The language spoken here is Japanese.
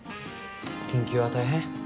研究は大変？